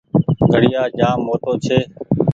گھڙيآ جآم موٽو ڇي ۔